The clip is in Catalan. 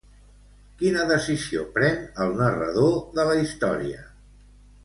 Quina decisió pren el narrador de la història?